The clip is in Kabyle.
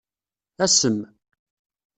Asem.